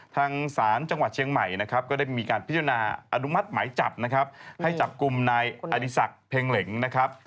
ทางศาลจังหวัดเชียงใหม่นะครับก็ได้มีการพิจารณาอนุมัติหมายจับนะครับให้จับกลุ่มนายอดีศักดิ์เพ็งเหล็งนะครับ